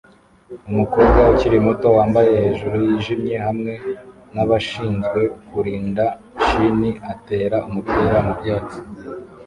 Umukobwa ukiri muto wambaye hejuru yijimye hamwe nabashinzwe kurinda shin atera umupira mubyatsi